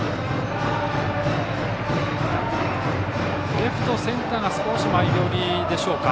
レフト、センターが少し前寄りでしょうか。